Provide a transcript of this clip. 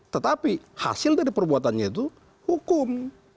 tetapi hasil dari perbuatannya itu hukum